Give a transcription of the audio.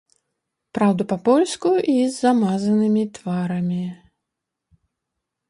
Праўда, па-польску і з замазанымі тварамі.